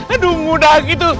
aduh mudah gitu